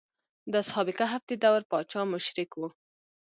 د اصحاب کهف د دور پاچا مشرک و.